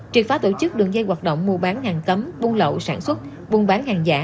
triệt phá tổ chức đường dây hoạt động mua bán hàng cấm buôn lậu sản xuất buôn bán hàng giả